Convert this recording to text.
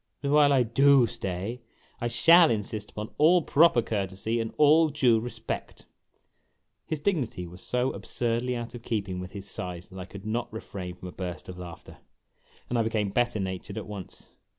But while I do stay I shall insist upon all proper courtesy and all clue respect !' His dignity was so absurdly out of keeping with his size that I could not refrain from a burst of laughter, and I became better natured at once.